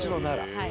はい。